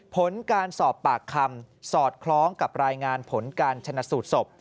ผลการสอบปากคำสอดคล้องกับรายงานผลการชนะสูตรศพ